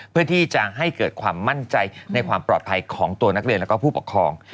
เพื่อที่จะให้เกิดความมั่นใจในความปลอดภัยของตัวนักเรียนและผู้ปกครอง